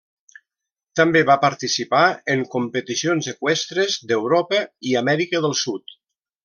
També va participar en competicions eqüestres d'Europa i Amèrica del Sud.